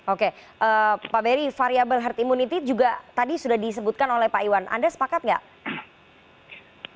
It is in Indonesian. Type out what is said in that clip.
oke pak beri variable herd immunity juga tadi sudah disebutkan oleh pak iwan anda sepakat nggak